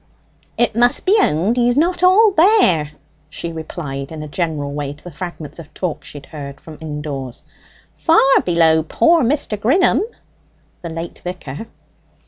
"It must be owned he's not all there," she replied in a general way to the fragments of talk she had heard from indoors. "Far below poor Mr. Grinham" (the late vicar).